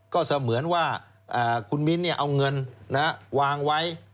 ก็เสมือนว่าคุณมิ้นเอาเงินวางไว้